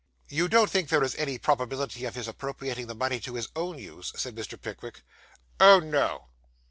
'You don't think there is any probability of his appropriating the money to his own use?' said Mr. Pickwick. 'Oh, no!